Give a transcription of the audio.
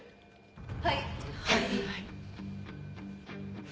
はい！